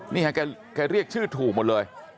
นี่ฮะแกเรียกชื่อถูกหมดเลย